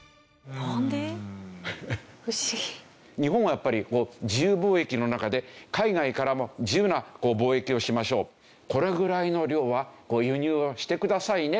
日本はやっぱりこう自由貿易の中で海外からも自由な貿易をしましょうこれぐらいの量は輸入してくださいね！